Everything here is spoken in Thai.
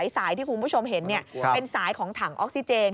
สายที่คุณผู้ชมเห็นเป็นสายของถังออกซิเจน